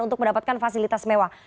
untuk mendapatkan fasilitas mewah